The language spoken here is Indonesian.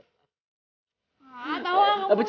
ada kalau sudah